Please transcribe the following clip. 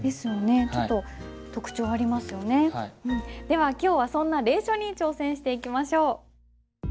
では今日はそんな隷書に挑戦していきましょう。